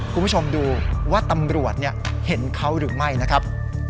คุณผู้ชมดูว่าตำรวจเห็นเขาหรือไม่นะครับ